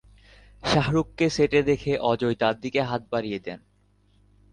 শাহরুখকে সেটে দেখে অজয় তার দিকে হাত বাড়িয়ে দেন।